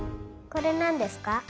これなんですか？